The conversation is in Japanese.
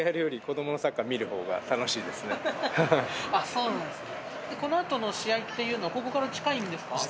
そうなんですね。